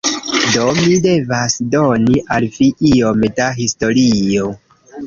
Do, mi devas doni al vi iom da historio.